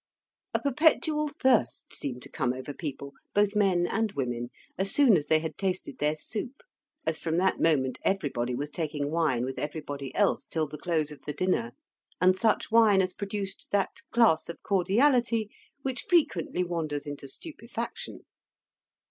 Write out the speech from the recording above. A perpetual thirst seemed to come over people, both men and women, as soon as they had tasted their soup; as from that moment everybody was taking wine with everybody else till the close of the dinner; and such wine as produced that class of cordiality which frequently wanders into stupefaction.